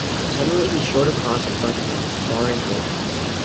Suddenly he strode across in front of her, barring her way.